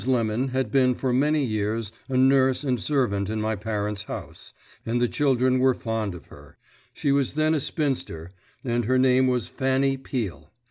Lemon had been for many years a nurse and servant in my parents' house, and the children were fond of her. She was then a spinster, and her name was Fanny Peel.